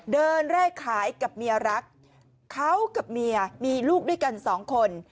แรกขายกับเมียรักเขากับเมียมีลูกด้วยกันสองคน